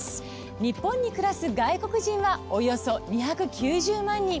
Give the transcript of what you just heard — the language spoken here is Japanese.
日本に暮らす外国人はおよそ２９０万人。